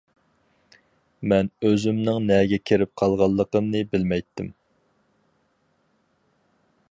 مەن ئۆزۈمنىڭ نەگە كىرىپ قالغانلىقىمنى بىلمەيتتىم.